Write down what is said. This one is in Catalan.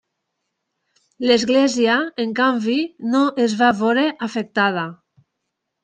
L'església, en canvi, no es va veure afectada.